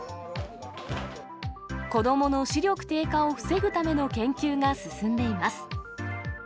子どもの視力低下を防ぐための研究が進んでいます。